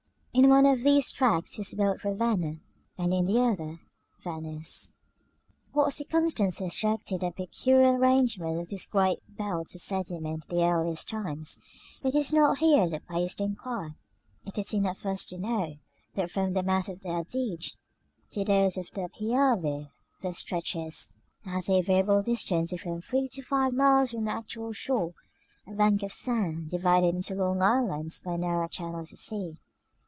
In one of these tracts is built RAVENNA, and in the other VENICE. § V. What circumstances directed the peculiar arrangement of this great belt of sediment in the earliest times, it is not here the place to inquire. It is enough for us to know that from the mouths of the Adige to those of the Piave there stretches, at a variable distance of from three to five miles from the actual shore, a bank of sand, divided into long islands by narrow channels of sea.